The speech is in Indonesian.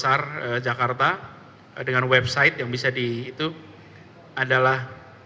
di dalam kolaborasi skala besar jakarta dengan website yang bisa di itu adalah